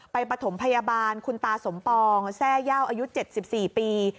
ปฐมพยาบาลคุณตาสมปองแทร่ย่าอายุ๗๔ปี